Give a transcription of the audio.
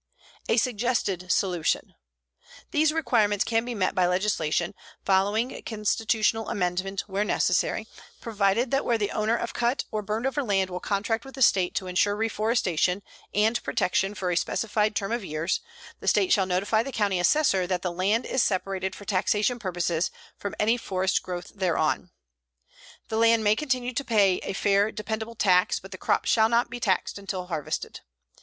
A SUGGESTED SOLUTION These requirements can be met by legislation, following constitutional amendment where necessary, providing that where the owner of cut or burned over land will contract with the State to insure reforestation and protection for a specified term of years, the State shall notify the county assessor that the land is separated for taxation purposes from any forest growth thereon. The land may continue to pay a fair dependable tax, but the crop shall not be taxed until harvested.